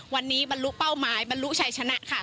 วันนี้บรรลุเป้าหมายบรรลุชัยชนะค่ะ